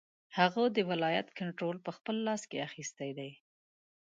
هغه ولایت کنټرول په خپل لاس کې اخیستی دی.